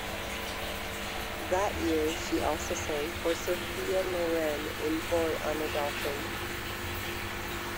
That year, she also sang for Sophia Loren in "Boy on a Dolphin".